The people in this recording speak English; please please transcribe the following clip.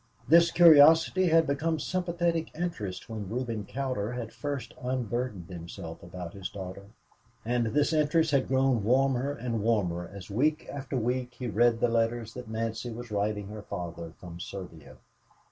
This curiosity had become sympathetic interest when Reuben Cowder had first unburdened himself about his daughter, and this interest had grown warmer and warmer as week after week he read the letters that Nancy was writing her father from Serbia.